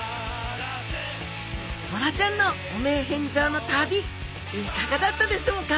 ボラちゃんの汚名返上の旅いかがだったでしょうか。